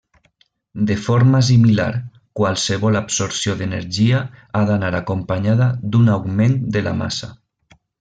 De forma similar qualsevol absorció d'energia ha d'anar acompanyada d'un augment de la massa.